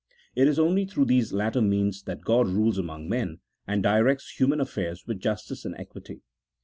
It is only through these latter means that God rules among men, and directs human affairs with justice and equity.